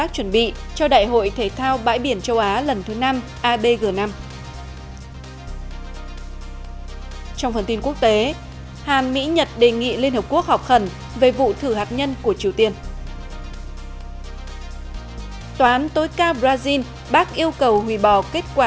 xin chào và hẹn gặp lại